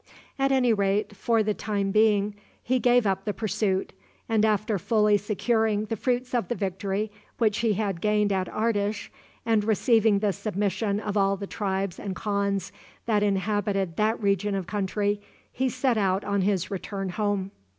At any rate, for the time being he gave up the pursuit, and after fully securing the fruits of the victory which he had gained at Ardish, and receiving the submission of all the tribes and khans that inhabited that region of country, he set out on his return home.